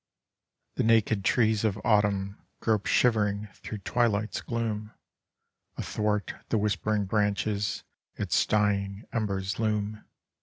The naked trees of autumn grope shivering through twilight's gloom, athwart the whispering branches its dying embers loom.